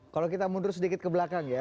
kalau kita mundur sedikit ke belakang ya